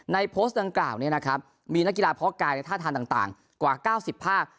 โพสต์ดังกล่าวนี้นะครับมีนักกีฬาเพาะกายในท่าทางต่างกว่า๙๐ภาพ